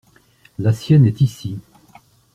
La sienne est ici.